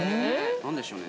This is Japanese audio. ◆何でしょうね。